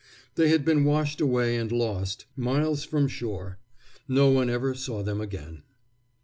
They had been washed away and lost, miles from shore. No one ever saw them again.